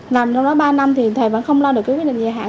nằm trong đó ba năm thì thầy vẫn không lo được quyết định dài hạn